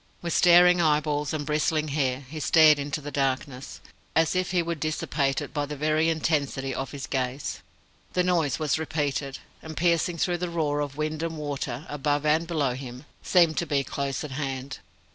With staring eyeballs, and bristling hair, he stared into the darkness, as if he would dissipate it by the very intensity of his gaze. The noise was repeated, and, piercing through the roar of wind and water, above and below him, seemed to be close at hand.